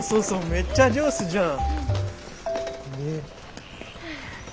めっちゃ上手じゃん。